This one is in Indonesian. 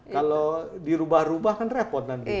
kalau di rubah rubah kan repot nanti